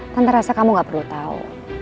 tante rasa kamu gak perlu tau